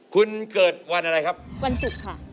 คุณเกิดวันอะไรครับวันศุกร์ค่ะ